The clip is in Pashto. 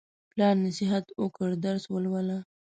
پلار نصیحت وکړ: درس ولوله.